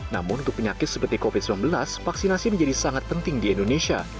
namun untuk penyakit seperti covid sembilan belas vaksinasi menjadi sangat penting di indonesia